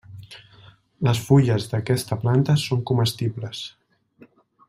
Les fulles d'aquesta planta són comestibles.